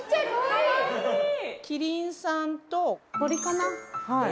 キリンさんと鳥かな？